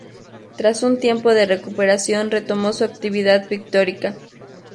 Tras un tiempo de recuperación, retomó su actividad pictórica.